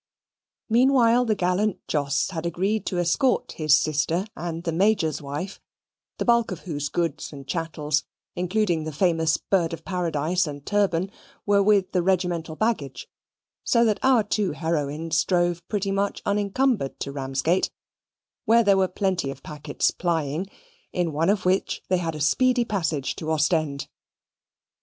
Meanwhile the gallant Jos had agreed to escort his sister and the Major's wife, the bulk of whose goods and chattels, including the famous bird of paradise and turban, were with the regimental baggage: so that our two heroines drove pretty much unencumbered to Ramsgate, where there were plenty of packets plying, in one of which they had a speedy passage to Ostend.